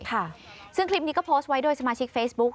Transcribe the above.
ค่ะซึ่งคลิปนี้ก็โพสต์ไว้โดยสมาชิกเฟซบุ๊ค